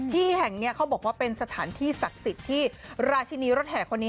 ที่แห่งนี้เขาบอกว่าเป็นสถานที่ศักดิ์สิทธิ์ที่ราชินีรถแห่คนนี้